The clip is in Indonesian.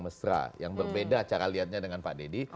mesra yang berbeda cara lihatnya dengan pak deddy